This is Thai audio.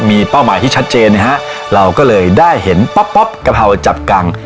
มีเป้าหมายที่ชัดเจนนะฮะเราก็เลยได้เห็นป๊อปป๊อปกะเพราจับกัง